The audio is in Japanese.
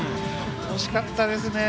惜しかったですね。